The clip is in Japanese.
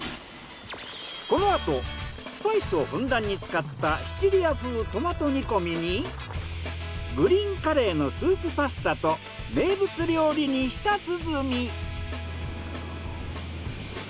このあとスパイスをふんだんに使ったシチリア風トマト煮込みにグリーンカレーのスープパスタと名物料理に舌鼓。